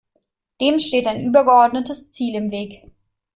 Dem steht ein übergeordnetes Ziel im Weg.